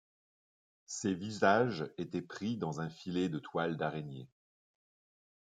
Ces visages étaient pris dans un filet de toile d'araignée.